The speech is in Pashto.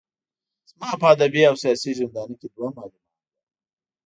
زما په ادبي او سياسي ژوندانه کې دوه معلمان وو.